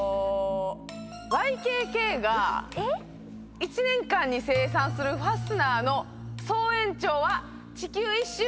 ＹＫＫが１年間に生産するファスナーの総延長は地球１周以上です！